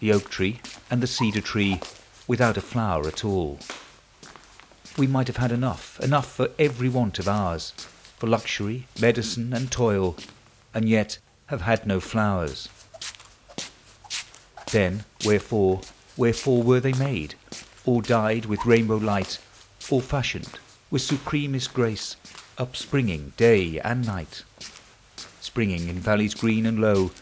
The oak tree and the cedar tree, Without a flower at all. We might have had enough, enough For every want of ours, For luxury, medicine, and toil, And yet have had no flowers. Then wherefore, wherefore were they made, All dyed with rainbow light, All fashioned with supremesl grace, Upspringing day and night :— Springing in valleys green and low.